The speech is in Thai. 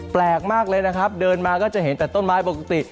แปลกมากเลยนะครับเดินมาก็จะเห็นแต่ต้นไม้ปกติ